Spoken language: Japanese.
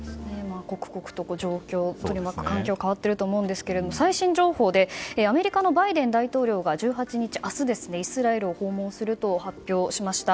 刻々と取り巻く環境が変わっていると思うんですが最新情報でアメリカのバイデン大統領が１８日、明日イスラエルを訪問すると発表しました。